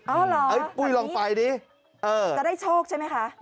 เอ้าเหรอปุ้ยลองไปดิเออจะได้โชคใช่ไหมคะ